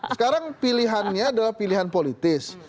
sekarang pilihannya adalah pilihan politis